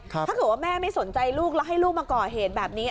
ถ้าเกิดว่าแม่ไม่สนใจลูกแล้วให้ลูกมาก่อเหตุแบบนี้